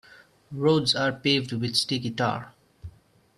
Roads are paved with sticky tar.